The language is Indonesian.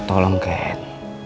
ken tolong ken